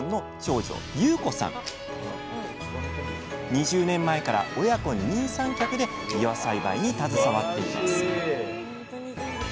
２０年前から親子二人三脚でびわ栽培に携わっています